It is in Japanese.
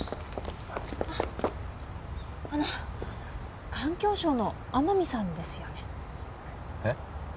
あっあの環境省の天海さんですよねえっ？